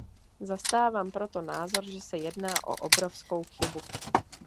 Zastávám proto názor, že se jedná o obrovskou chybu.